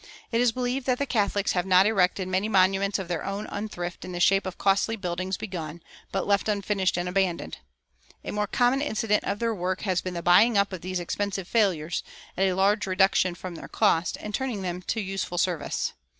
It is believed that the Catholics have not erected many monuments of their own unthrift in the shape of costly buildings begun, but left unfinished and abandoned. A more common incident of their work has been the buying up of these expensive failures, at a large reduction from their cost, and turning them to useful service.